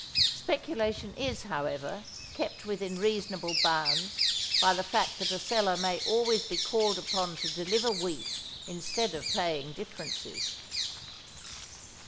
Speculation is, however, kept within reasonable bounds by the fact that a seller may always be called upon to deliver wheat instead of paying differences.